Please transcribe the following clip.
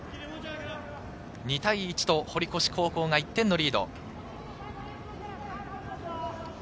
２対１と堀越高校が１点のリード。